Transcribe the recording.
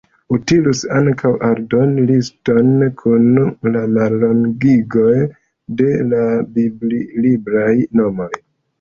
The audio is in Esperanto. Utilus ankaŭ aldoni liston kun la mallongigoj de la bibli-libraj nomoj.